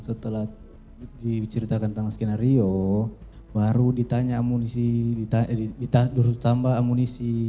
setelah diceritakan tentang skenario baru ditanya amunisi harus ditambah amunisi